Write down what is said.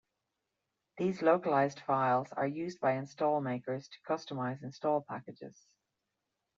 These localized files are used by install makers to customize install packages.